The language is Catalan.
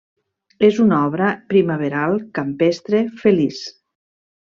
És una obra primaveral, campestre, feliç.